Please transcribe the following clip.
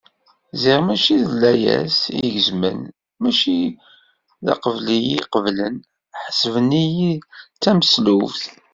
Ziɣ mačči d layas i gezmen, mačči d aqbal iyi-qeblen, ḥesben-iyi d tameslubt.